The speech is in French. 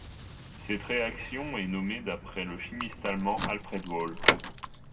Cette réaction est nommée d'après le chimiste allemand Alfred Wohl.